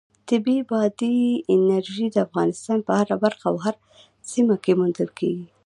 طبیعي بادي انرژي د افغانستان په هره برخه او هره سیمه کې موندل کېږي.